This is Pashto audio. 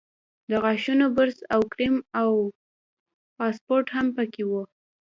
د غاښونو برس او کریم او پاسپورټ هم په کې وو.